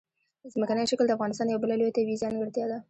ځمکنی شکل د افغانستان یوه بله لویه طبیعي ځانګړتیا ده.